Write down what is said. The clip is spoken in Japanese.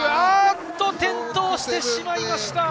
あっと、転倒してしまいました！